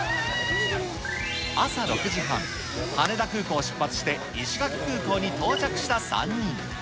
朝６時半、羽田空港を出発して石垣空港に到着した３人。